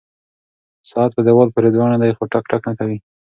ساعت په دیوال پورې ځوړند دی خو ټک ټک نه کوي.